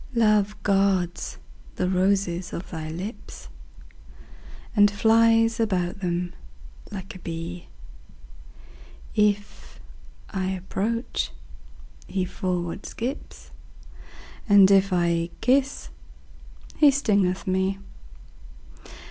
Love guards the roses of thy lips, And flies about them like a bee: If I approach, he forward skips, And if I kiss, he stingeth me.